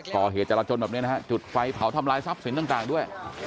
ก่อเหตุจาระจนแบบนี้นะครับจุดไฟเผาทำลายทรัพย์สินต่างด้วย